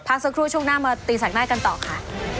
สักครู่ช่วงหน้ามาตีแสกหน้ากันต่อค่ะ